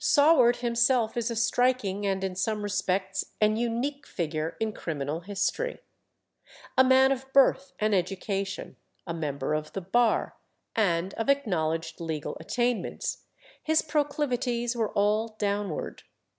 Saward himself is a striking and in some respects an unique figure in criminal history. A man of birth and education, a member of the bar, and of acknowledged legal attainments, his proclivities were all downward.